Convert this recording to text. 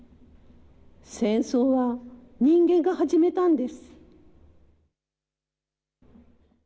戦争は人間が始めたんです。